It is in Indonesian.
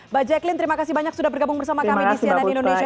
mbak jacqueen terima kasih banyak sudah bergabung bersama kami di cnn indonesia